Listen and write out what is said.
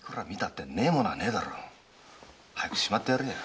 早くしまってやれよ。